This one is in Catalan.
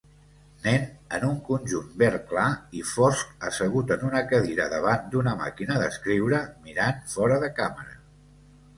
Nen en un conjunt verd clar i fosc assegut en una cadira davant d'una màquina d'escriure mirant fora de càmera